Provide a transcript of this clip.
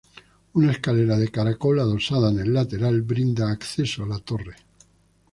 Una escalera de caracol, adosada en el lateral, brinda acceso a la torre.